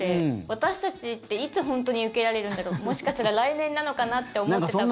私たちっていつ本当に受けられるんだろうもしかしたら来年なのかなって思ってた分。